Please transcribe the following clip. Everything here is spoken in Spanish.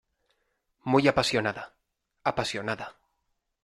muy apasionada. apasionada .